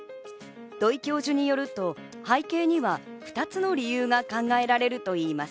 土井教授によると、背景には、２つの理由が考えられるといいます。